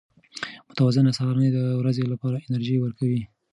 متوازنه سهارنۍ د ورځې لپاره انرژي ورکوي.